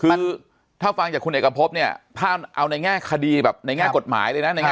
คือถ้าฟังจากคุณเอกพบเนี่ยถ้าเอาในแง่คดีแบบในแง่กฎหมายเลยนะ